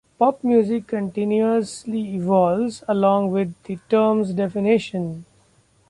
Pop music continuously evolves along with the term's definition.